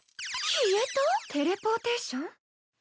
テレポーテーション？